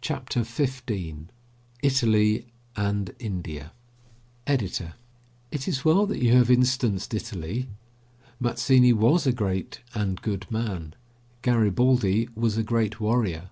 CHAPTER XV ITALY AND INDIA EDITOR: It is well that you have instanced Italy. Mazzini was a great and good man; Garibaldi was a great warrior.